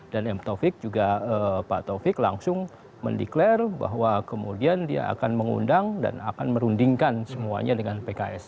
dan m taufik juga pak taufik langsung mendeklar bahwa kemudian dia akan mengundang dan akan merundingkan semuanya dengan pks